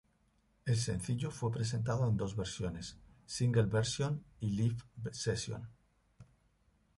El sencillo fue presentado en dos versiones: Single Version y Live Session.